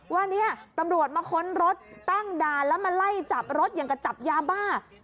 ว่าเนี่ยตำรวจมาค้นรถตั้งด่านแล้วมาไล่จับรถอย่างกับจับยาบ้า